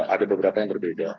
ada beberapa yang berbeda